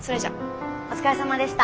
お疲れさまでした。